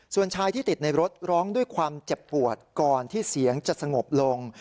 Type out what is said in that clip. ส่วนชายที่ติดในรถร้องด้วยความเจ็บปวดก่อนที่เสียงจะสงบลง